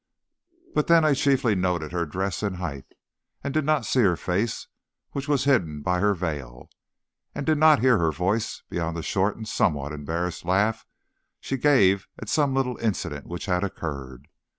But then I chiefly noted her dress and height, and did not see her face, which was hidden by her veil, and did not hear her voice beyond the short and somewhat embarrassed laugh she gave at some little incident which had occurred.